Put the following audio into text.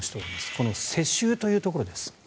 この世襲というところです。